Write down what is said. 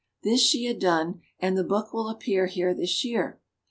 This she has done, and the book will appear here this year.